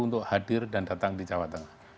untuk hadir dan datang di jawa tengah